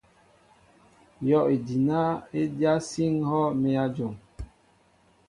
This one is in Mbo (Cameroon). Yɔʼejina e dyá síŋ hɔʼ e mέa jom.